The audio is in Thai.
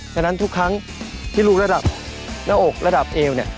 ฉะนั้นทุกครั้งที่รู้ระดับหน้าอกระดับเอวเนี่ย